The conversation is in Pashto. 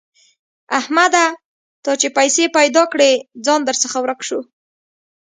احمده! تا چې پيسې پیدا کړې؛ ځان درڅخه ورک شو.